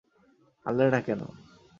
আনলে না কেন?